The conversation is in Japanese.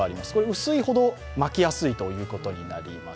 薄いほど巻きやすいことになります。